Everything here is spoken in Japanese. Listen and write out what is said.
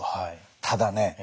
ただね